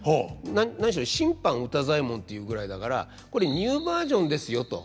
何しろ「新版歌祭文」というぐらいだから「これニューバージョンですよ」と。